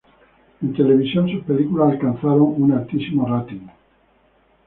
En televisión, sus películas alcanzaron un altísimo rating.